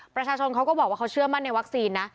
เขาก็บอกว่าเขาเชื่อมั่นในวัคซีนนะ